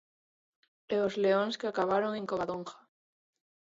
E os leóns que acabaron en Covadonga.